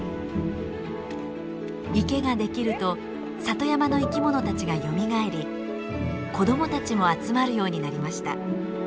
池ができると里山の生き物たちがよみがえり子どもたちも集まるようになりました。